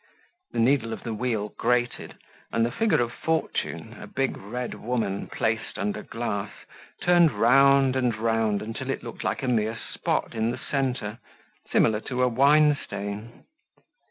The needle of the wheel grated, and the figure of Fortune, a big red woman placed under glass, turned round and round until it looked like a mere spot in the centre, similar to a wine stain.